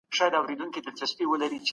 مجاهدین د باطل په وړاندي لکه غره ولاړ وه.